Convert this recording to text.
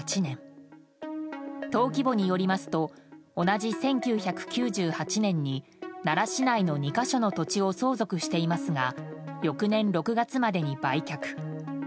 登記簿によりますと同じ１９９８年に奈良市内の２か所の土地を相続していますが翌年６月までに売却。